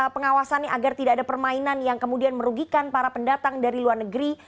pengawasannya agar tidak ada permainan yang kemudian merugikan para pendatang dari luar negeri